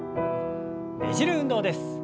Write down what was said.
ねじる運動です。